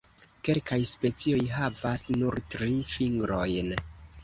Kelkaj specioj havas nur tri fingrojn.